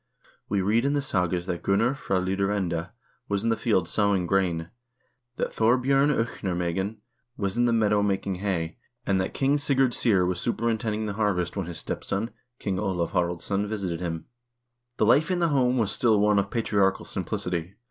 We read in the sagas that Gunnar fra Lidarende was in the field sowing grain ; that Thorbj0rn 0xnarmegin was in the meadow making hay, and that King Sigurd Syr was superintending the harvest when his step son, King Olav Haraldsson, visited him. The life in the home was still one of patriarchal simplicity.